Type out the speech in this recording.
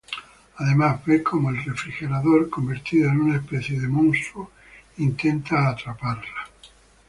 Además, ve cómo el refrigerador, convertido en una especie de monstruo, intenta atraparla.